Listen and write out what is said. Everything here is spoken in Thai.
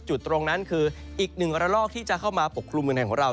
จุดตรงนั้นคืออีกหนึ่งอร่องที่จะเข้ามาปกครุมของเรา